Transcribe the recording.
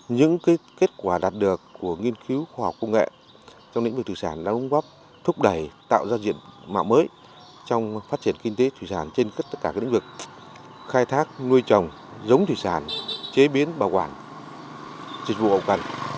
những kết quả đạt được của nghiên cứu khoa học công nghệ trong lĩnh vực thủy sản đã đóng góp thúc đẩy tạo ra diện mạo mới trong phát triển kinh tế thủy sản trên tất cả các lĩnh vực khai thác nuôi trồng giống thủy sản chế biến bảo quản dịch vụ hậu cần